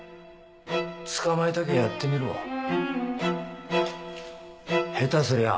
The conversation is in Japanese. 捕まえたきゃやってみろ下手すりゃ